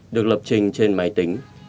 được lập trình trên máy tính